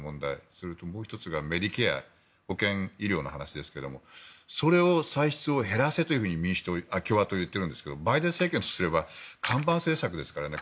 それと、もう１つがメディケア保健医療の話ですがそれを歳出を減らせと共和党は言ってるんですけどバイデン政権とすれば看板政策ですからね。